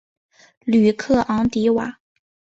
吕克昂迪瓦。